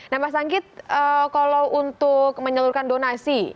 nah mas anggit kalau untuk menyeluruhkan donasi